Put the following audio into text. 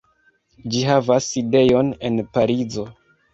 Ĝi havas sidejon en Parizo.